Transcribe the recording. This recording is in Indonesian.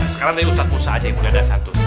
sekarang dari ustaz musa aja yang mulia dan santun